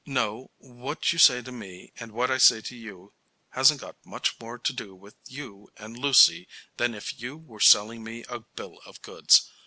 "No; what you say to me and what I say to you hasn't any more to do with you and Lucy than if you were selling me a bill of goods.